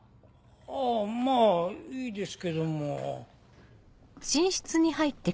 あぁまぁいいですけども。